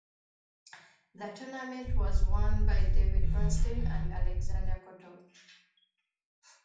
The tournament was won by David Bronstein and Alexander Kotov.